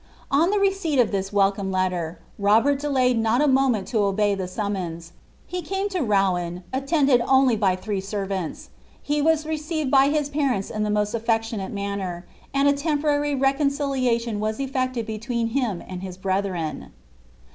On tlie receipt of this welcome leiia, Robert delayed not a moment to obey the summons. He came to Roaec. attended only by three servants \ he was received by his parents ta tht most afiectionatc manner; and a temporary reconcUlatioti was eftuted between bim and his brethren.